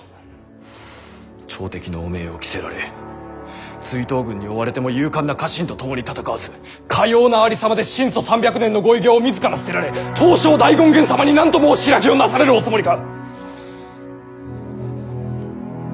朝敵の汚名を着せられ追討軍に追われても勇敢な家臣と共に戦わずかようなありさまで神祖三百年のご偉業を自ら捨てられ東照大権現様に何と申し開きをなされるおつもりか！」。